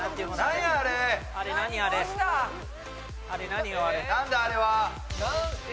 あれ。